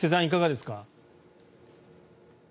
いかがですか。